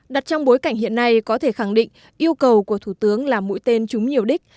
đặt trong bối cảnh hiện nay có thể khẳng định yêu cầu của thủ tướng là mũi tên chúng nhiều đích